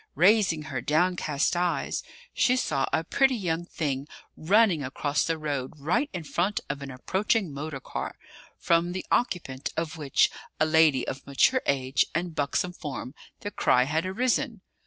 Raising her downcast eyes, she saw a pretty young thing running across the road right in front of an approaching motor car, from the occupant of which, a lady of mature age and buxom form, the cry had arisen.